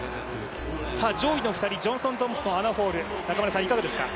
上位の２人、ジョンソン・トンプソンアナ・ホール、いかがですか。